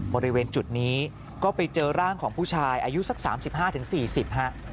บริเวณจุดนี้ก็ไปเจอร่างของผู้ชายอายุสัก๓๕๔๐ฮะ